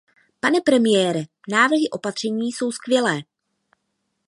Pane premiére, návrhy opatření jsou skvělé.